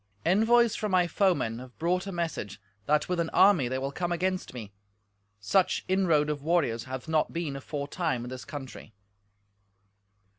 Envoys from my foemen have brought a message that with an army they will come against me; such inroad of warriors hath not been aforetime in this country."